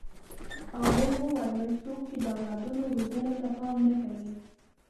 هغوی وویل څوک چې د اولادونو روزنې ته پام نه کوي.